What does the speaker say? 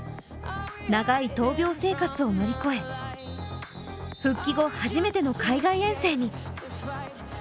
長い闘病生活を乗り越え復帰後、初めての海外遠征に。